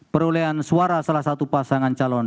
perolehan suara salah satu pasangan calon